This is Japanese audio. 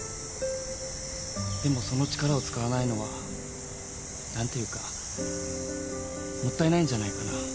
でもその力を使わないのは何て言うかもったいないんじゃないかな